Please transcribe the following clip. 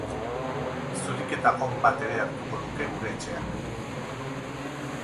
Zuriketa on bat ere hartuko luke gure etxeak.